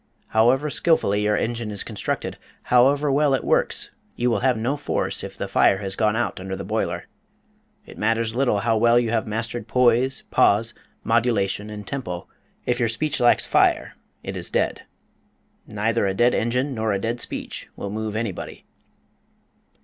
However skillfully your engine is constructed, however well it works, you will have no force if the fire has gone out under the boiler. It matters little how well you have mastered poise, pause, modulation, and tempo, if your speech lacks fire it is dead. Neither a dead engine nor a dead speech will move anybody.